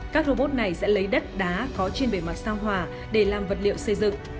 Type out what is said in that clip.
các robot này sẽ lấy đất đá có trên bề mặt sao hòa để làm vật liệu xây dựng